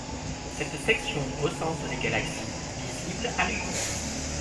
Cette section recense les galaxies visibles à l’œil nu.